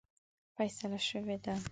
فیصله شوې ده.